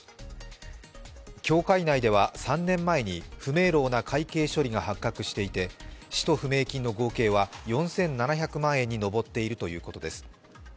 協会内では３年前に不明朗な会計処理が発覚していて使途不明金の合計は４７００万円に上っているということです。